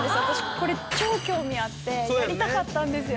これ超興味あってやりたかったんですよ